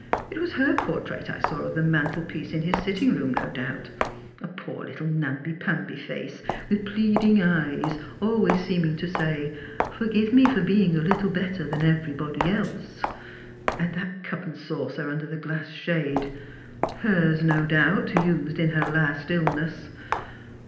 It was her portrait I saw over the mantelpiece in his sitting room, no doubt. A poor little namliv pamby face, with pleading eyes always seeming to say, ' For give me for being a little better than everybody else.' And that cup and saucer under the glass shade ! Hers, no doubt, used in her last illness.